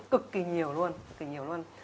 cực kỳ nhiều luôn